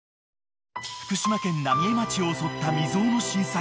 福島県浪江町を襲った未曽有の震災。